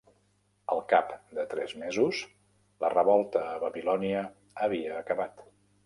Al cap de tres mesos, la revolta a Babilònia havia acabat.